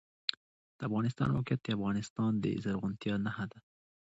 د افغانستان موقعیت د افغانستان د زرغونتیا نښه ده.